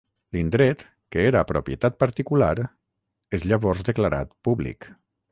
L'indret, que era propietat particular, és llavors declarat públic.